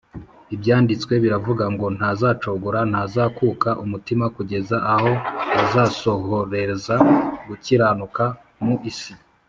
Ibyanditswe biravuga ngo, “Ntazacogora, ntazakuka umutima, kugeza aho azasohoreza gukiranuka mu isi